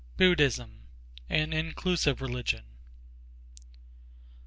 Buddhism an Inclusive Religion.